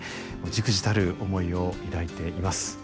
じくじたる思いを抱いています。